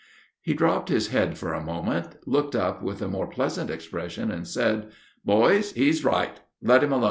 He dropped his head for a moment, looked up with a more pleasant expression, and said, "Boys, he is right; let him alone."